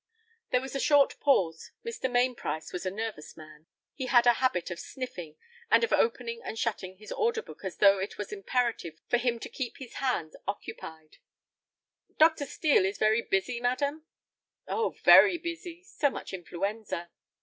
There was a short pause. Mr. Mainprice was a nervous man. He had a habit of sniffing, and of opening and shutting his order book as though it was imperative for him to keep his hands occupied. "Dr. Steel is very busy, madam?" "Oh, very busy; so much influenza."